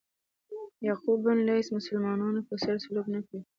یعقوب بن لیث مسلمانانو په څېر سلوک نه کوي.